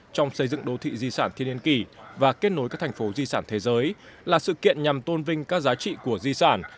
trong xây dựng đô thị di sản thiên nhiên kỳ và kết nối các thành phố di sản thế giới là sự kiện nhằm tôn vinh các giá trị của di sản